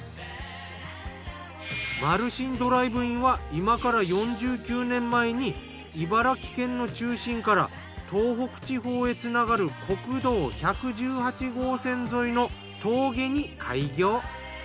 まるしんドライブインは今から４９年前に茨城県の中心から東北地方へつながる国道１１８号線沿いの峠に開業。